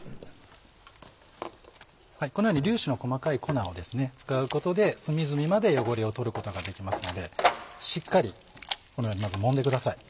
このように粒子の細かい粉を使うことで隅々まで汚れを取ることができますのでしっかりこのようにまずもんでください。